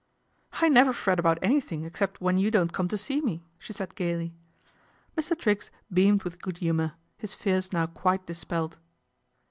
" I never fret about anything except when you ion't come to see me," she said gaily. Mr. Triggs beamed with good humour, his fears low quite dispelled.